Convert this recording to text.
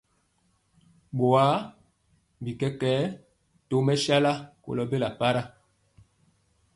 Boa bi kɛkɛɛ tomesala kolo bela para.